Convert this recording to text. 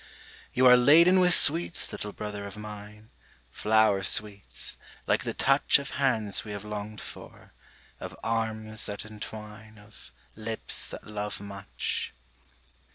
You are laden with sweets, little brother of mine, Flower sweets, like the touch Of hands we have longed for, of arms that entwine, Of lips that love much.